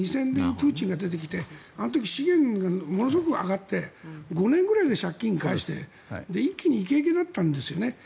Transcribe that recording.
２０００年にプーチンが出てきてあの時資源がものすごく上がって５年ぐらいで借金を返して一気にイケイケになったんですね。